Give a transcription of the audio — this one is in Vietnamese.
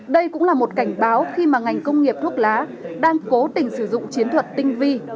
đây cũng là một cảnh báo khi mà ngành công nghiệp thuốc lá đang cố tình sử dụng chiến thuật tinh vi